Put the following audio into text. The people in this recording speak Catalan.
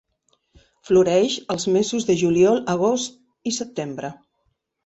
Floreix els mesos de juliol, agost i setembre.